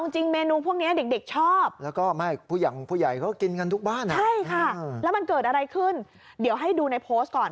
ใช่ค่ะแล้วมันเกิดอะไรขึ้นเดี๋ยวให้ดูในโพสต์ก่อน